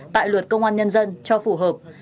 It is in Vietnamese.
tại luật công an nhân dân cho phù hợp